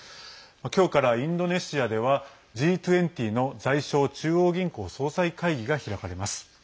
きょうからインドネシアではＧ２０の財相・中央銀行総裁会議が開かれます。